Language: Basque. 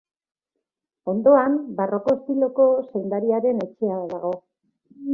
Ondoan, Barroko estiloko zaindariaren etxea dago.